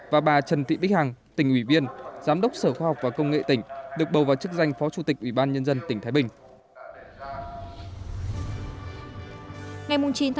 và bà trần thị bích hằng tỉnh ủy viên giám đốc sở khoa học và công nghệ tỉnh được bầu vào chức danh phó chủ tịch ủy ban nhân dân tỉnh thái bình